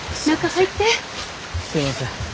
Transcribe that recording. すいません。